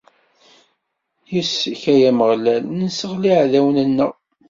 Yis-k, ay Ameɣlal, nesseɣli iɛdawen-nneɣ.